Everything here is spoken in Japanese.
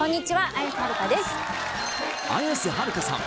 綾瀬はるかさん